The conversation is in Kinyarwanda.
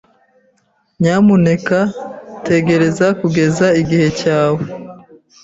Nyamuneka tegereza kugeza igihe cyawe.